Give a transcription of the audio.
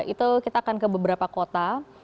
itu kita akan ke beberapa kota